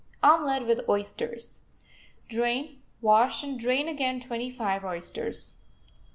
OMELET WITH OYSTERS Drain, wash, and drain again twenty five oysters.